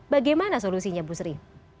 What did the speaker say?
bagaimana solusinya bu sri